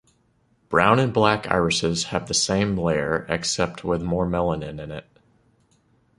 Brown and black irises have the same layer except with more melanin in it.